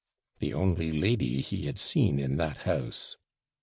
The only lady he had seen in that house.